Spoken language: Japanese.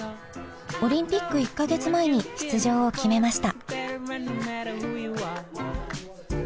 オリンピック１か月前に出場を決めました。